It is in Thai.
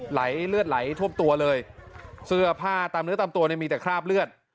ไหลเลือดไหลท่วมตัวเลยเสื้อผ้าตามเนื้อตามตัวเนี่ยมีแต่คราบเลือด